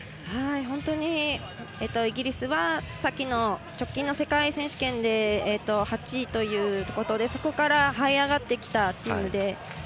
本当にイギリスは直近の世界選手権で８位ということで、そこからはい上がってきたチームで。